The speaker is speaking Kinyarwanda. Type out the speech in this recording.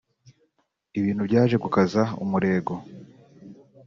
ibintu byaje gukaza umurego